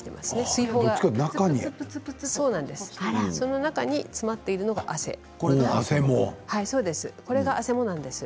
水ほうがその中に詰まっているのが汗です。